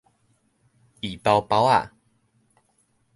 奕包包仔